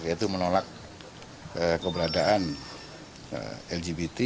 yaitu menolak keberadaan lgbt